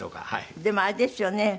でもあれですよね。